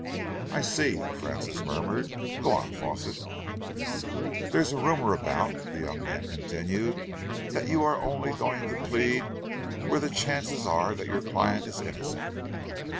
"I see," Francis murmured. "Go on, Fawsitt." "There's a rumour about," the young man continued, "that you are only going to plead where the chances are that your client is innocent."